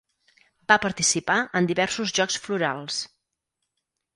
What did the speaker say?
Va participar en diversos Jocs Florals.